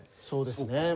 そうですね。